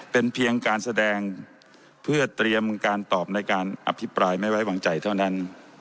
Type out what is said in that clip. เป็นเพียงการแสดงเพื่อเตรียมการตอบในการอภิปรายไม่ไว้วางใจเท่านั้น